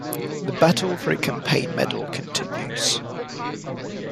The battle for a campaign medal continues.